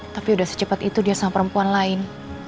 tapi udah secepat itu dia sama perempuan lain